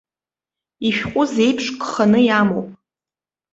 Ишәҟәы зеиԥш гханы иамоуп.